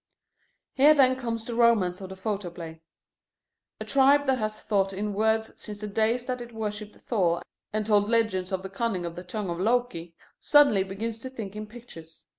Here then comes the romance of the photoplay. A tribe that has thought in words since the days that it worshipped Thor and told legends of the cunning of the tongue of Loki, suddenly begins to think in pictures.